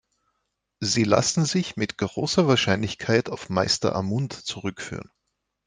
Sie lassen sich mit großer Wahrscheinlichkeit auf Meister Amund zurückführen.